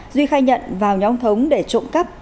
duy khai nhận vào nhà ông thống để trộm cắp